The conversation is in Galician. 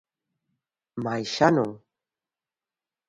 Mais xa non.